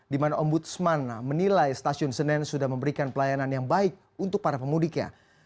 di mana ombudsman menilai stasiun senen sudah memberikan pelayanan yang baik untuk para pemudiknya